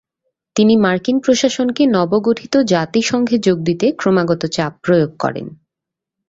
তিনি মার্কিন প্রশাসনকে নবগঠিত জাতিসংঘে যোগ দিতে ক্রমাগত চাপ প্রয়োগ করেন।